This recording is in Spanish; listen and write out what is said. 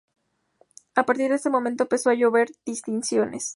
A partir de ese momento empiezan a llover distinciones.